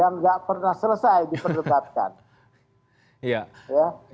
yang gak pernah selesai diperlekatkan